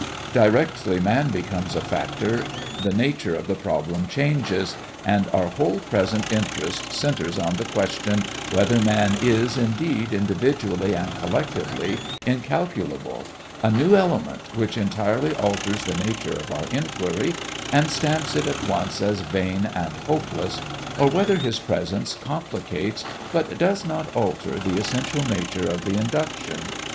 Directly man becomes a factor the nature of the problem changes, and our whole present interest centers on the question whether man is, indeed, individually and collectively incalculable, a new element which entirely alters the nature of our inquiry and stamps it at once as vain and hopeless, or whether his presence complicates, but does not alter, the essential nature of the induction.